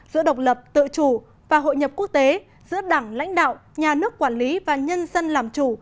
giữa độc lập tự chủ và hội nhập quốc tế giữa đảng lãnh đạo nhà nước quản lý và nhân dân làm chủ